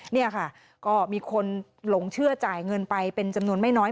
นี่ค่ะก็มีคนหลงเชื่อจ่ายเงินไปเป็นจำนวนไม่น้อย